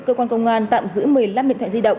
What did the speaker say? cơ quan công an tạm giữ một mươi năm điện thoại di động